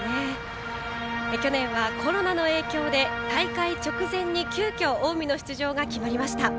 去年はコロナの影響で大会直前に急きょ近江の出場が決まりました。